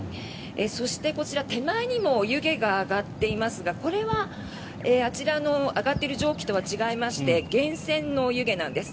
そして、こちら手前にも湯気が上がっていますがこれはあちらの上がっている蒸気とは違いまして源泉の湯気なんです。